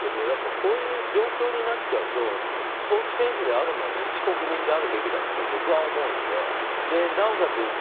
やっぱりこういう状況になっちゃうとスポーツ選手である前に一国民であるべきだって僕は思うのでなおかつ